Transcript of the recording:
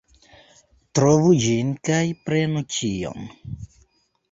Trovu ĝin kaj prenu ĉion!